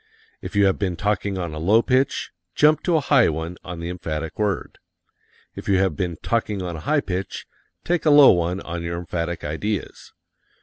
If you have been talking on a low pitch, jump to a high one on the emphatic word. If you have been talking on a high pitch, take a low one on your emphatic ideas.